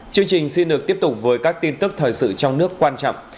chương trình xin được tiếp tục với các tin tức thời sự trong nước quan trọng